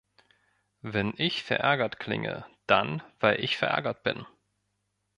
Wenn ich verärgert klinge, dann weil ich verärgert bin.